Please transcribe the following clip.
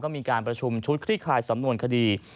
มีการประชุมชุดคลี่คลายสำนวนคดี